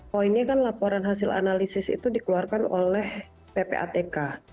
poinnya kan laporan hasil analisis itu dikeluarkan oleh ppatk